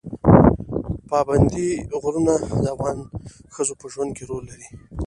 پابندی غرونه د افغان ښځو په ژوند کې رول لري.